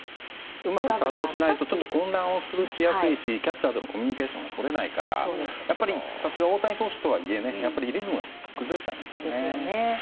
うまく作動しないと混乱もしやすいしキャッチャーとのコミュニケーションが取れないから大谷選手とはいえリズムが崩れちゃいますよね。